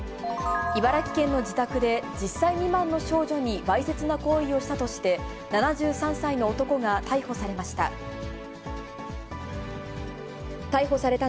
茨城県の自宅で、１０歳未満の少女にわいせつな行為をしたとして、７３歳の男が逮捕されました。